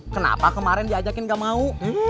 kenapa kemarin diajakin gak mau